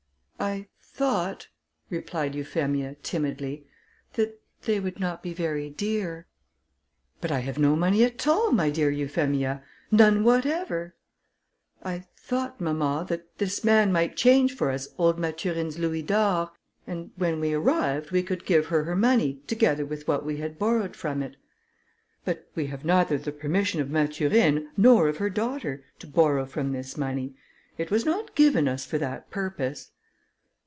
"I thought," replied Euphemia, timidly, "that they would not be very dear." "But I have no money at all, my dear Euphemia; none whatever." "I thought, mamma, that this man might change for us old Mathurine's louis d'or, and when we arrived, we could give her her money, together with what we had borrowed from it." "But we have neither the permission of Mathurine, nor of her daughter, to borrow from this money; it was not given us for that purpose."